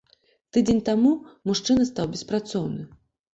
Тыдзень таму мужчына стаў беспрацоўны.